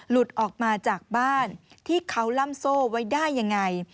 หลุดออกมาจากบ้านที่เขาล่ำโซ่ไว้ได้ยังไง